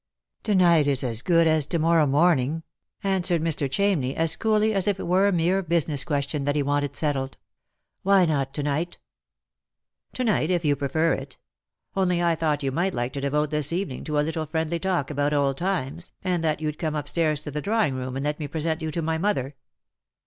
" To night is as good as to morrow morning," answered Mr. Chamney, as coolly as if it were a mere business question that he wanted settled. " Why not to night ?"" To night, if you prefer it. Only I thought you might like to devote this evening to a little friendly talk about old times, and that you'd come up stairs to the drawing room and let me present you to my mother."